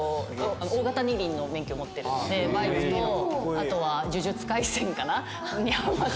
大型二輪の免許持ってるのでバイクとあとは『呪術廻戦』かな？にハマってます。